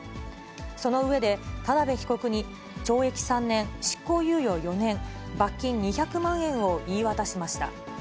その上で、田辺被告に懲役３年、執行猶予４年、罰金２００万円を言い渡しました。